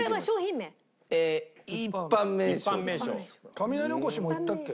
雷おこしも言ったっけ？